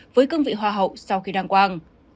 với cương vị hoa hậu sau khi đăng quang